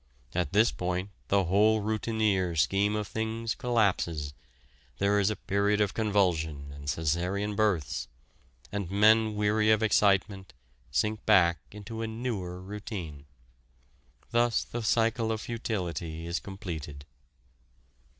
At this point the whole routineer scheme of things collapses, there is a period of convulsion and Cæsarean births, and men weary of excitement sink back into a newer routine. Thus the cycle of futility is completed.